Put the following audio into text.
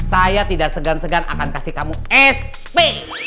saya tidak segan segan akan kasih kamu sp